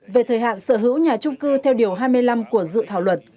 về thời hạn sở hữu nhà trung cư theo điều hai mươi năm của dự thảo luật